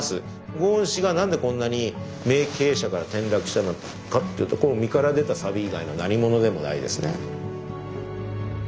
ゴーン氏が何でこんなに名経営者から転落したのかっていうと身から出たさび以外のなにものでもないですね。